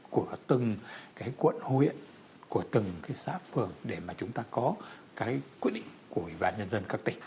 của từng cái quận huyện của từng cái xã phường để mà chúng ta có cái quyết định của ủy ban nhân dân các tỉnh